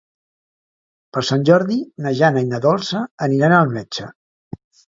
Per Sant Jordi na Jana i na Dolça aniran al metge.